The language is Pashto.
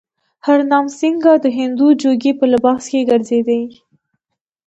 هرنام سینګه د هندو جوګي په لباس کې ګرځېدی.